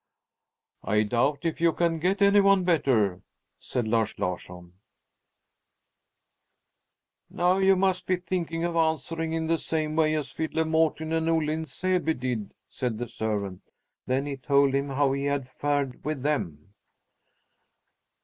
"I doubt if you can get any one better," said Lars Larsson. "Now you must be thinking of answering in the same way as fiddler Mårten and Olle in Säby did," said the servant. Then he told him how he had fared with them.